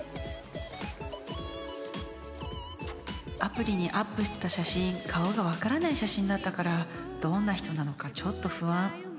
アプリにアップしてた写真顔が分からない写真だったからどんな人なのかちょっと不安